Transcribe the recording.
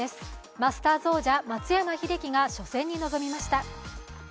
マスターズ王者、松山英樹が初戦に臨みました。